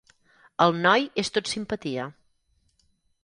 El noi és tot simpatia.